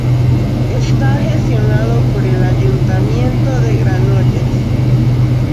Está gestionado por el Ayuntamiento de Granollers.